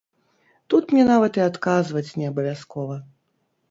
Тут мне нават і адказваць не абавязкова.